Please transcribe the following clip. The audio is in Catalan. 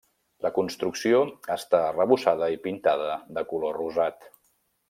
La construcció està arrebossada i pintada de color rosat.